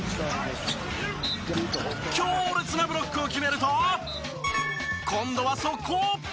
強烈なブロックを決めると今度は速攻！